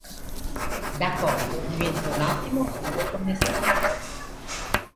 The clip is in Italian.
Da cotto diventa un ottimo fungo commestibile.